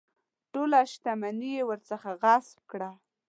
ټوله شته مني یې ورڅخه غصب کړه.